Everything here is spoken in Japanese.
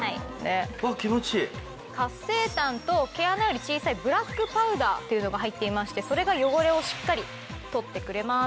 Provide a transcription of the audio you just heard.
活性炭と毛穴より小さいブラックパウダーというのが入っていましてそれが汚れをしっかり取ってくれます。